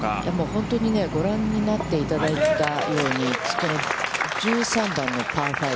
本当に、ご覧になっていただいたように、１３番のパー５。